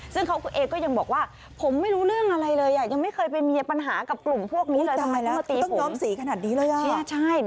ซึ่งเค้าก็ยังบอกว่าผมไม่รู้เรื่องอะไรเลยยังไม่เคยมีปัญหากับกลุ่มพวกนี้เลย